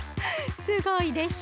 すごいでしょ？